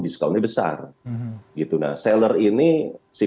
discountnya besar nah seller ini si